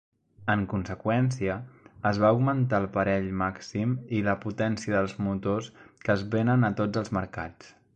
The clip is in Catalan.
En conseqüència, es va augmentar el parell màxim i la potència dels motors que es venen a tots els mercats.